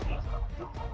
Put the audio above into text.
bắt giữ đối tượng